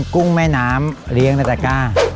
กุ้งแม่น้ำเรียงราชกา